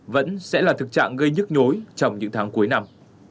vẫn sẽ là thực trạng gây nhức nhối trong những tháng cuối năm